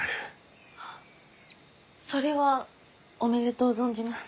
それはおめでとう存じます。